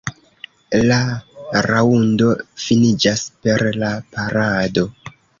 La raŭndo finiĝas per la parado.